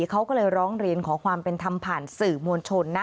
เขาก็เลยร้องเรียนขอความเป็นธรรมผ่านสื่อมวลชนนะ